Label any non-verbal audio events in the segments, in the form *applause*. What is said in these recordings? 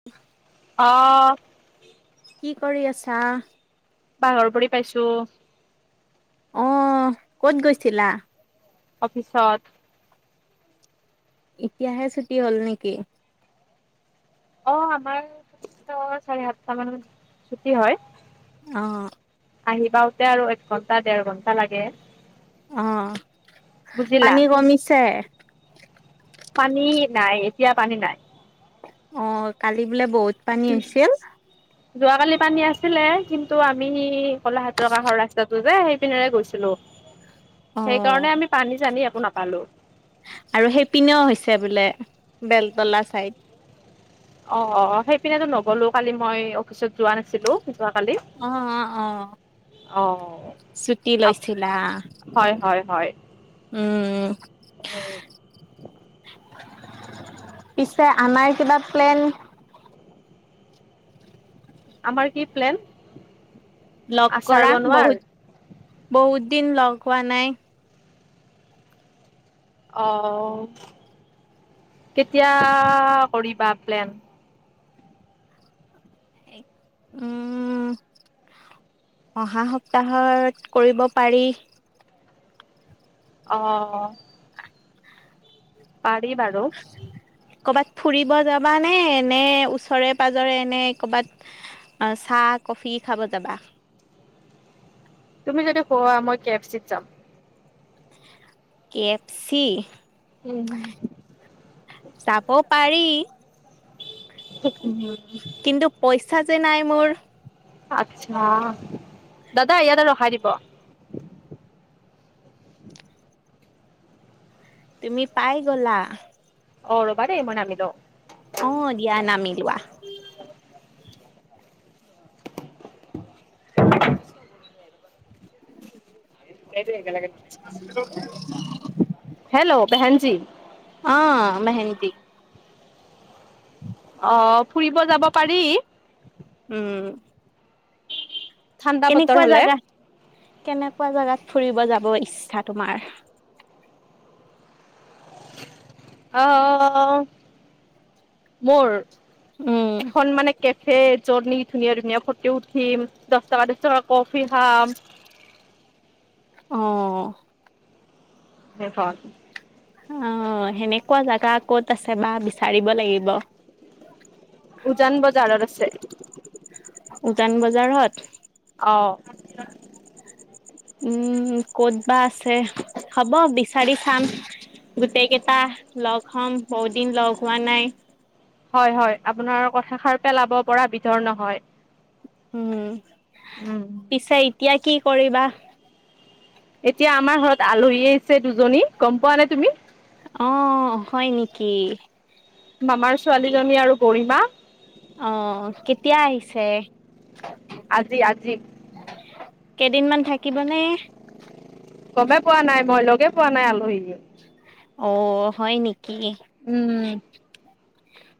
*unintelligible* অ কি কৰি আছা? বাহৰ পৰি পাইছোঁ। অ', ক'ত গৈছিলা? অফিছত। এতিয়াহে ছুটি হ'ল নেকি? অ', আমাৰ চাৰে সাতটা মানত ছুটি হয়। অ'। আহিপাওঁতে আৰু এক ঘণ্টা দেৰ ঘণ্টা লাগে। অ', বুজিলা পানী কমিছে? পানী নাই এতিয়া পানী নাই। অ কালি বোলে বহুত পানী হৈছিল। যোৱাকালি পানী আছিলে কিন্তু আমি সি কোলাঘাটৰ কাষৰ ৰাস্তাটো যে সেইপিনেৰে গৈছিলো। *inaudible* সেইকাৰণে আমি পানী চানি একো নাপালো। আৰু সেইপনেও হৈছে বোলে বেলতলা চাইদ। অ অ অ সেইপিনেটো নগলো কালি মই অফিচত যোৱা নাছিলো। যোৱাকালি। অ অ অ, অ', ছুটি লৈছিলা? হয় হয় হয় উম উম, পিছে আমাৰ কিবা প্লেন, আমাৰ কি প্লেন? লক আচাৰ কৰা বনোৱাৰ বহুত বহুত দিন লগহোৱা নাই। অ কেতিয়া কৰিবা প্লেন? উম অহা সপ্তাহত কৰিব পাৰি। অ অ, পাৰি বাৰু, ক'বাত ফুৰিব যাবা নে এনে ওচৰে পাজৰে এনে কবাত, এ চাহ কফি খাব যাবা? তুমি যদি খোৱা মই কেফ চিত যাম। কেফচি, উম যাব পাৰি। কিন্তু পইচা যে নাই মোৰ, আচছা, দাদা ইয়াতে ৰখাই দিব। তুমি পাই গলা। অ ৰবা দেই মই নামি লও, অ দিয়া নামি লোৱা। সেইটো একে লগে, হেল্ল' বেহেনজী? অ মেহেন্দী, অ ফুৰিব যাব পাৰি, উম ঠাণ্ডা বতৰ কেনেকুৱা হ'লে জাগা, কেনেকুৱা জাগাত ফুৰিব যাব ইচ্ছা তোমাৰ? আ আ আ মোৰ, উম খন মানে কেফে জত নেকি ধুনীয়া ধুনীয়া ফটো উঠিম দছ টকা দছ টকা কফি খাম। অ *unintelligible* অ সেনেকুৱা জাগা ক'ত আছে বা বিচাৰিব লাগিব। উজান বজাৰত আছে। উজান বজাৰত। অ উম, ক'ত বা আছে হ'ব বিচাৰি চাম। গোটেই কেইটা লগ হম, বহুত দিন লগ হোৱা নাই। হয় হয়, আপোনাৰ কথাষাৰ পেলাব পৰা বিধৰ নহয়। উম। উম। পিছে এতিয়া কি কৰিবা? এতিয়া আমাৰ ঘৰত আলহী অহিছে দুজনী গম পোৱানে তুমি? অ', হয় নেকি? মামাৰ কি ছোৱালীজনী আৰু গৰিমা। অ', কেতিয়া আহিছে? আজি আজি। কেইদিনমান থাকিব নে? গমে পোৱা নাই মই লগে পোৱা নাই আলহী। অ', হয় নেকি? উম।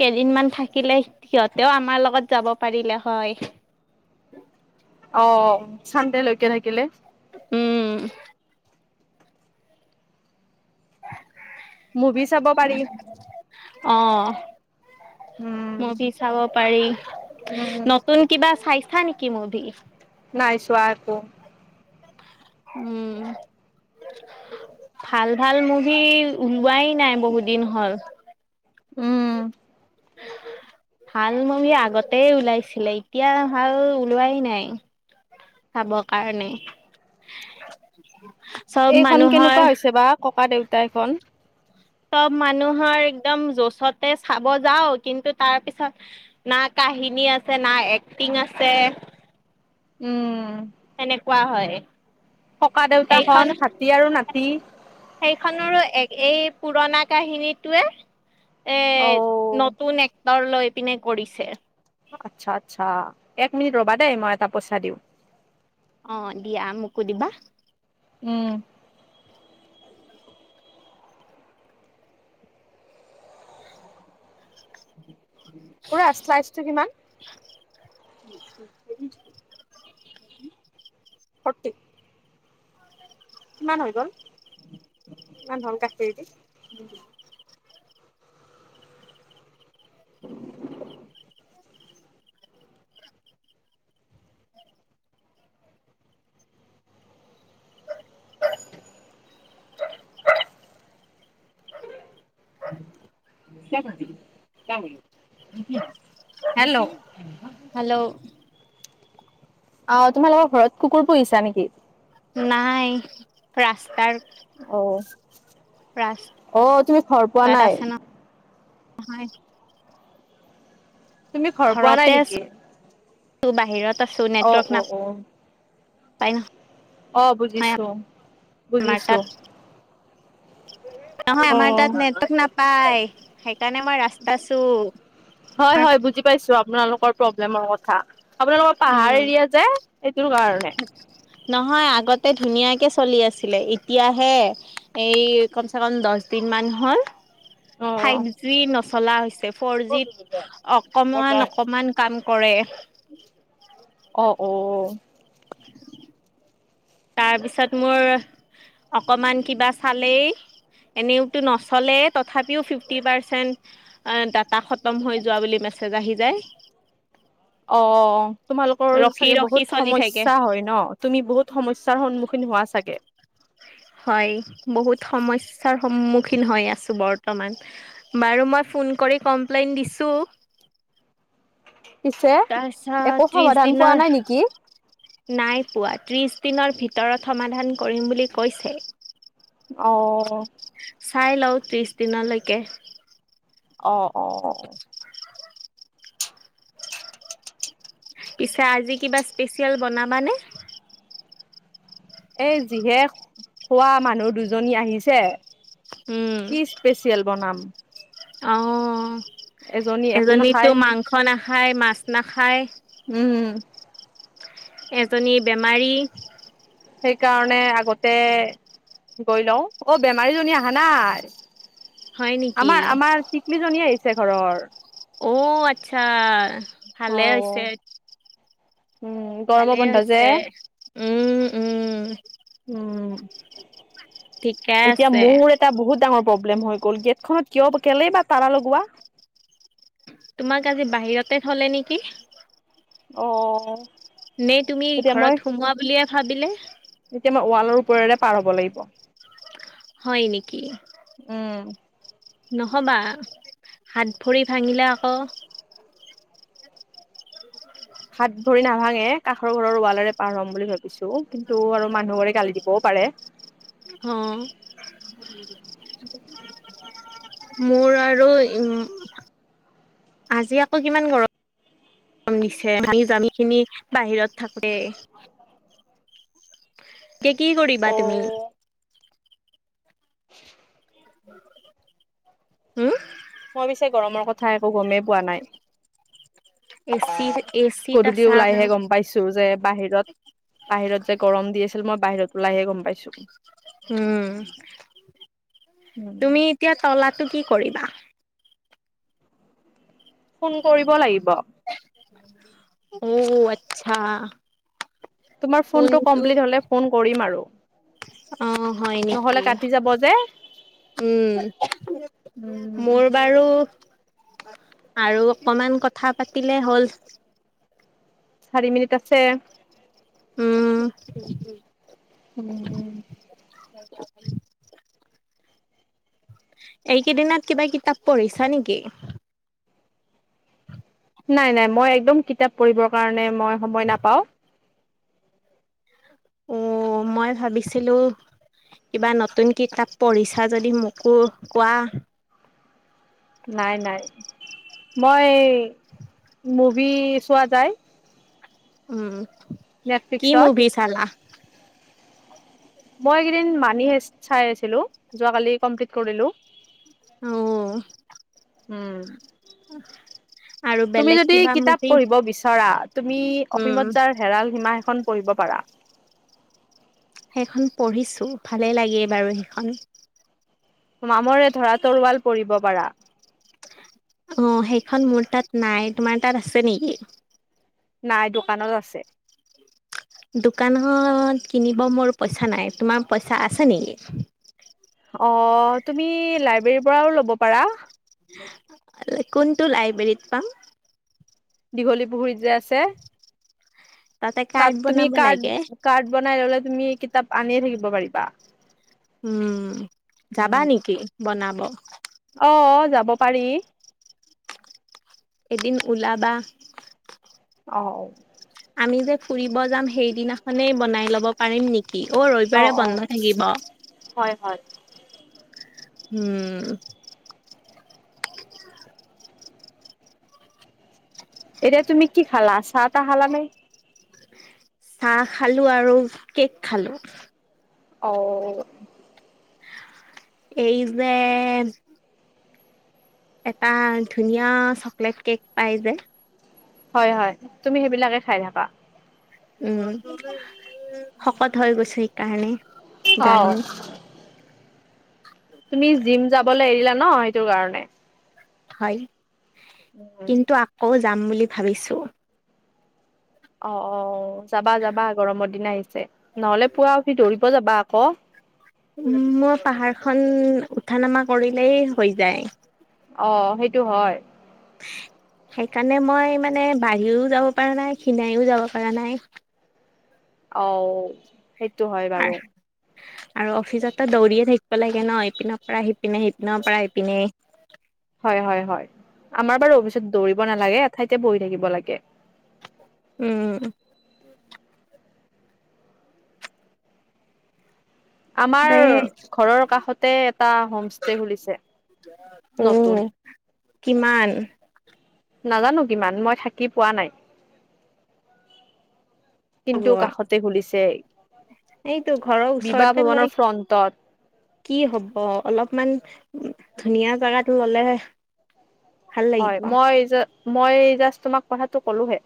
কেইদিনমান থাকিলে সিহঁতেও আমাৰ লগত যাব পাৰিলে হয়। অ', চান্দে লৈকে থাকিলে। উম। মুভি চাব পাৰি। অ', উম মুভি চাব পাৰি। উম। নতুন কিবা চাইছা নেকি মুভী? নাই চোৱা একো। উম। ভাল ভাল মুভি ওলোৱাই নাই বহুত দিন হ'ল। উম। *unintelligible* ভাল মুভী আগতেই ওলাইছিলে এতিয়া ভাল ওলোৱাই নাই। চাব কাৰণে। চব এইখন কেনেকুৱা মানুহৰ হৈছে বা ককা দেউতা এখন। চব মানুহৰ একদম জচতে চাব যাওঁ, কিন্তু তাৰ পিছত না কাহিনী আছে না এক্টিং আছে। উম। সনেকুৱা হয়। ককাদেউতা এইখন খন, হাতী আৰু নাতি। সেইখনৰো এক এই পুৰণা কাহিনীটোৱে এ অ নতুন এক্টৰ লৈ পিনে কৰিছে। আচ্ছা আচ্ছা, এক মিনিট ৰবা দেই মই এটা পইচা দিওঁ। অ', দিয়া মোকো দিবা। উম। খুৰা শ্লাইচটো কিমান? *unintelligible* *inaudible* ফৰ্তি কিমান হৈ গ'ল? কিমান হল *unintelligible* *inaudible* *unintelligible* *inaudible* হেল্লো হেল্লো অ তোমালোকৰ ঘৰত কুকুৰ পুহিছা নেকি? নাই ৰাস্তাৰ, অ ৰাস্তাত অ তুমি ঘৰ পোৱা নাই? হয় তুমি ঘৰ পোৱা নাই ঘৰতে আছো, নেকি? আছো বাহিৰত আছো *unintelligible* অ নেটৱৰ্ক অ নাপ অ প ন অ বুজিছো। আমাৰ বুজিছো তাত, নহয় অ। আমাৰ তাত নেটৱৰ্ক নাপায় সেইকাৰণে মই ৰাস্তা চো। হয় হয় বুজি পাইছো আপোনালোকৰ প্ৰব্লেমৰ কথা আপোনালোকৰ উম পাহাৰ এৰিয়া যে। এইটো কাৰণে, নহয় আগতে ধুনীয়াকে চলি আছিলে, এতিয়াহে এই কমচে কম দছ দিন মান হ'ল, অ ফাইভ জি নচলা হৈছে ফোৰ জিত অকমান অকমান, কাম কৰে। অ অ, *inaudible* তাৰপিছত মোৰ অকমান কিবা চালেই, এনেওতো নচলেই তথাপিও ফিফটি পাৰ্চেণ্ট আ ডাটা হত, তম হৈ যোৱা বুলি মেছেজ আহি যায়। অ অ তোমালোকৰ ৰখি চাগে ৰখি বহুত চলি থাকে সমস্যা হয় ন? তুমি বহুত সমস্যাৰ সন্মুখীন হোৱা চাগে? হয় বহুত সমস্যাৰ সন্মুখীন হৈ আছোঁ বৰ্তমান। বাৰু মই ফোন কৰি কমপ্লেইন দিছোঁ। পিছে তাৰ পিছত একো ত্ৰিশ সমাধান পোৱা দিনৰ, নাই নেকি নাই পোৱা ত্ৰিছ দিনৰ ভিতৰত সমাধান কৰিম বুলি কৈছে। অ চাই লও ত্ৰিশ দিনলৈকে। অ অ অ পিছে আজি কিবা স্পেচিয়েল বনাবানে? এই যিহে খোৱা মানুহ দুজনী আহিছে উম, কি স্পেচিয়েল, বনাম। অ এজনী একো এজনীতো নাখায় মাংস নাখায়, মাছ নাখায়। উম এজনী বেমাৰী। সেইকাৰণে আগতে গৈ লও, অ বেমাৰীজনী আহা নাই। হয় নেকি? আমাৰ আমাৰ টিকলিজনী আহিছে ঘৰৰ। অ' আচ্ছা। অ, ভালে হৈছে উম গৰমৰ ভালে বন্ধ যে। হৈছে। উম উম উম, ঠিকে এতিয়া আছে মোৰ এটা বহুত ডাঙৰ প্ৰব্লেম হৈ গ'ল গেট খনত কিয় কেলেই বা তালা লগোৱা, তোমাক আজি বাহিৰতে থলে নেকি, অ নে তুমি এতিয়া মই ঘৰত সোমোৱা বুলিয়ে ভাবিলে? এতিয়া মই ৱালৰ ওপৰেৰে পাৰ হ'ব লাগিব। হয় নিকি? উম। নহ'বা, হাত-ভৰি ভাঙিলে আকৌ হাত-ভৰি নাভাঙে, কাষৰ ঘৰৰ ৱালেৰে পাৰ হ'ম বুলি ভাবিছো কিন্তু আৰু মানুহ ঘৰে গালি দিবও পাৰে। অ'। *unintelligible* মোৰ আৰু উম, আজি আকৌ কিমান গৰ ৰম দিছে, *unintelligible* খিনি বাহিৰত থাকে। *unintelligible* কি কৰিবা তুমি? অ' হম? মই পিছে গৰমৰ কথা একো গমেই পোৱা নাই। এচিৰ এচিত আছা *unintelligible* তোৰ যে বাহিৰত, বাহিৰত যে গৰম দি আছিল মই বাহিৰত ওলাইহে গম পাইছোঁ। উম, উম, তুমি এতিয়া তলাটো কি কৰিবা? ফোন কৰিব লাগিব। অ', আচ্ছা। তোমাৰ ফোনটো কোনটো কমপ্লিট হ'লে ফোন কৰিম আৰু। অ', হয় নহ'লে নেকি? কাটি যাব যে উম, উম মোৰ বাৰু, আৰু অকমান কথা পাতিলে হ'ল। চাৰি মিনিট আছে। উম। উম। *inaudible* এইকিদিনত কিবা কিতাপ পঢ়িছা নেকি? নাই, নাই, মই একদম কিতাপ পঢ়িবৰ কাৰণে মই সময় নাপাওঁ। অ', মই ভাবিছিলোঁ কিবা নতুন কিতাপ পঢ়িছা যদি মোকো কোৱা। নাই, নাই, মই *unintelligible* চোৱা যায়। উম, কি নেটফ্লিক্সত মুভি ছালা? মই এইকেদিন *unintelligible* চাই আছিলোঁ, যোৱা কালি কমপ্লিট কৰিলোঁ। উম। উম। *inaudible* তুমি বেলেগ যদি কিবা কিতাপ মুভি পঢ়িব বিচৰা, তুমি উম, অসীমত যাৰ হেৰাল সীমা এখন পঢ়িব পাৰা। সেইখন পঢ়িছোঁ, ভালেই লাগে বাৰু সেইখন। মামৰে ধৰা তৰোৱাল পঢ়িব পাৰা। অ', সেইখন মোৰ তাত নাই, তোমাৰ তাত আছে নেকি? নাই, দোকানত আছে। দোকানখন কিনিব মোৰ পইচা নাই, তোমাৰ পইচা আছে নেকি? অ', তুমি লাইব্ৰেৰীৰ পৰাও ল'ব পাৰা। কোনটো লাইব্ৰেৰীত পাম? দীঘলী পুখুৰীত যে আছে? তাতে কাৰ্ড তাত তুমি বনাব লাগে। কাৰ্ড কাৰ্ড বনাই ললে তুমি কিতাপ আনিয়ে থাকিব পাৰিবা। উম যাবা নেকি বনাব? অ যাব পাৰি এদিন ওলাবা। অ আমি যে ফুৰিব যাম সেইদিনাখনেই বনাই লব পাৰিম নেকি? কি অ অ হয় হয়। উম এতিয়া তুমি কি খালা চাহ তাহ খালা নে? চাহ খালো আৰু কেক খালো। অ এই যে এটা ধুনীয়া চকলেট কেক পায় যে। হয় হয় তুমি সেইবিলাকে খাই থাকা। উম শকত হৈ গৈছো সেইকাৰণে। অ জানো তুমি জিম যাবলে এৰিলা ন সেইটো কাৰণে। হয় কিন্তু আকৌ যাম বুলি ভাবিছো। অ অ যাবা যাবা গৰমৰ দিন আহিছে, নহ'লে পুৱা উঠি দৌৰিব যাবা আকৌ। উ মই পাহাৰখন উঠা নামা কৰিলেই হৈ যায়। অ সেইটো হয়। সেইকাৰণে মই মানে বাহিৰও যাব পৰা নাই, খিনাইও যাব পৰা নাই। অ সেইটো হয় বাৰু। আৰু অফিচততো দৌৰিয়ে থাকিব লাগে ন ইপিনৰ পৰা সিপিনে সিপিনৰ পৰা এপিনে হয় হয় হয় আমাৰ বাৰু অফিচত দৌৰিব নালাগে এঠাইতে বহি থাকিব লাগে। উম। আমাৰ দে ঘৰৰ কাষতে এটা হোমষ্টে খুলিছে নতুন। উম কিমান? নাজানো কিমান, মই থাকি পোৱা নাই। হ'ব কিন্তু কাষত খুলিছে এইটো ঘৰৰ বিবাহ ওচৰতে লৈ ভ্ৰমনৰ ফ্ৰন্টত কি হ'ব অলপমান ধুনীয়া জাগাত ললে ভাল হয় লাগিব মই জা মই জাষ্ট তোমাক কথাটো ক'লোহে।